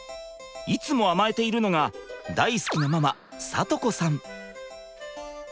いつも甘えているのが大好きなママ恵子さん。